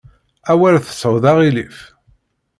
Awer tesɛuḍ aɣilif.